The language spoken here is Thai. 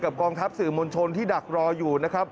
กองทัพสื่อมวลชนที่ดักรออยู่นะครับ